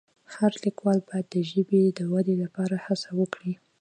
هر لیکوال باید د ژبې د ودې لپاره هڅه وکړي.